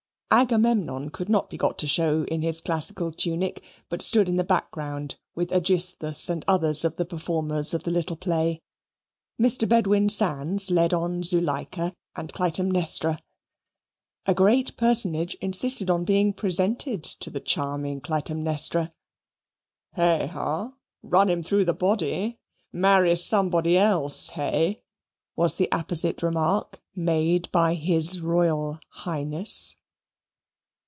Agamemnon could not be got to show in his classical tunic, but stood in the background with Aegisthus and others of the performers of the little play. Mr. Bedwin Sands led on Zuleikah and Clytemnestra. A great personage insisted on being presented to the charming Clytemnestra. "Heigh ha? Run him through the body. Marry somebody else, hay?" was the apposite remark made by His Royal Highness.